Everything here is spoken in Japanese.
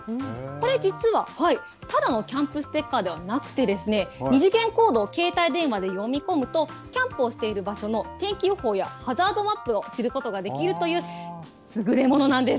これ、実はただのキャンプステッカーではなくて、二次元コードを携帯電話で読み込むと、キャンプをしている場所の天気予報やハザードマップを知ることができるという優れものなんです。